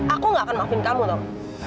aku nggak akan maafin kamu tom